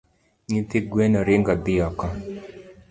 Nyithi guen ringo dhi oko